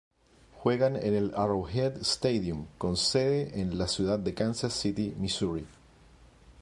Juegan en el Arrowhead Stadium con sede en la ciudad de Kansas City, Misuri.